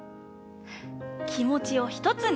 きもちをひとつに。